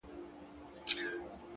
مثبت ذهن پر امکاناتو باور لري!